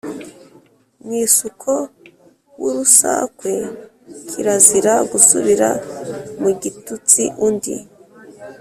mwisuko w'u rusakwe, k i razira gusubira mu g ituts i undi